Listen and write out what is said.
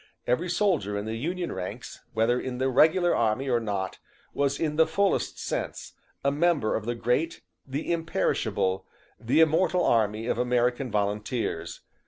Every soldier in the Union ranks, whether in the regular army or not, was in the fullest sense a member of the great, the imperishable, the immortal army of American volunteers.